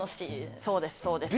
そうですそうです。